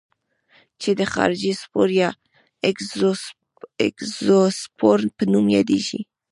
چې د خارجي سپور یا اګزوسپور په نوم یادیږي.